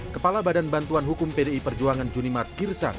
kepala badan bantuan hukum pdi perjuangan junimat girsang